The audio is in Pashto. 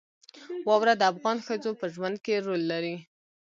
واوره د افغان ښځو په ژوند کې رول لري.